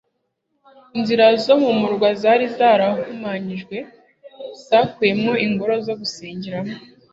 inzira zo mu murwa zari zarahumanyijwe zakuwemo ingoro zo gusengeramo